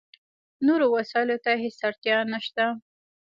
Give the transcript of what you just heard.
نورو وسایلو ته هېڅ اړتیا نشته.